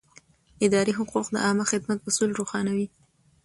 اداري حقوق د عامه خدمت اصول روښانوي.